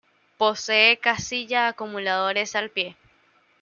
Posee casilla acumuladores al pie.